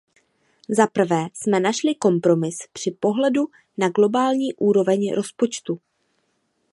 Zaprvé jsme našli kompromis při pohledu na globální úroveň rozpočtu.